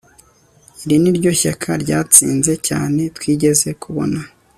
iri niryo shyaka ryatsinze cyane twigeze kubona